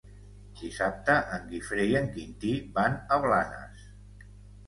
Dissabte en Guifré i en Quintí van a Blanes.